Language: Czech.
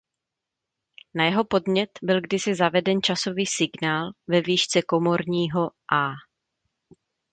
Na jeho podnět byl kdysi zaveden časový signál ve výšce komorního „a“.